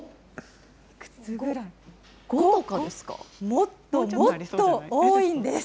もっともっと多いんです。